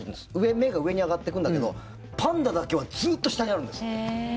目が上に上がってくるんだけどパンダだけはずっと下にあるんですって。